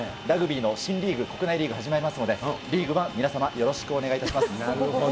ラグビーの新リーグ、国内リーグも始まりますので、リーグも皆様、よろしくお願いします。